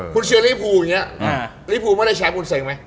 คุณเชียร์ลีฟูอย่างเนี่ยลีฟูไม่ได้แชมป์อุ้นเซงส์ไหม